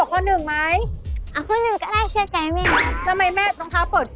ข้อที่๑เยี่ยมแม่